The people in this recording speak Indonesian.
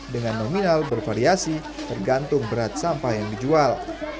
dengan nominal bervariasi tergantung berat sampah yang dijual